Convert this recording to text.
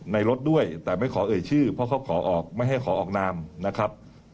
รถด้วยแต่ไม่ขอเอ่ยชื่อเพราะเขาขอออกไม่ให้ขอออกนามนะครับ